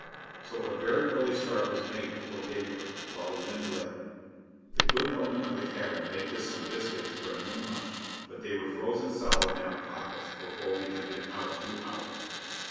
So a very early start was made before daybreak, while the wind lay. The good woman of the cabin baked us some biscuits for a noon lunch, but they were frozen solid in our pockets before we had been out two hours.